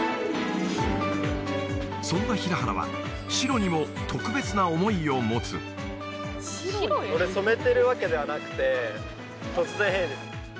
そんな平原は白にも特別な思いを持つこれ染めてるわけではなくて突然変異です